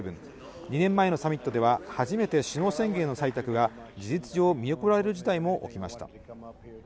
２年前のサミットでは初めて首脳宣言の採択が事実上見送られる事態も起きました。